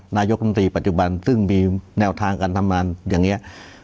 นายกรมตรีปัจจุบันซึ่งมีแนวทางการทำงานอย่างนี้